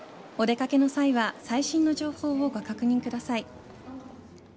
お出掛けの際は最新の情報をご確認ください。